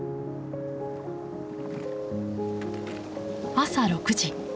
朝６時。